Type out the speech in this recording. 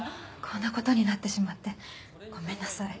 こんな事になってしまってごめんなさい。